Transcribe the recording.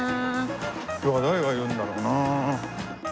今日は誰がいるんだろうな？